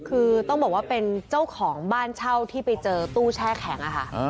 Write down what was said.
คือต้องบอกว่าเป็นเจ้าของบ้านเช่าที่ไปเจอตู้แช่แข็งค่ะ